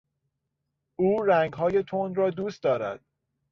او رنگهای تند را دوست دارد.